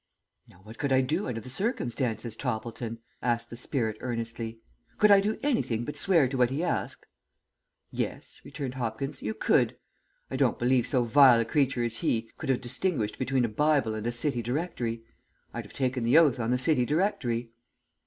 "Now what could I do under the circumstances, Toppleton?" asked the spirit earnestly. "Could I do anything but swear to what he asked?" "Yes," returned Hopkins, "you could. I don't believe so vile a creature as he could have distinguished between a bible and a city directory. I'd have taken the oath on the city directory."